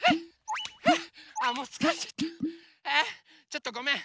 ちょっとごめん。